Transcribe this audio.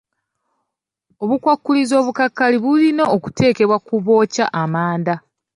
Obukwakkulizo obukakali bulina okuteebwa ku bookya amanda.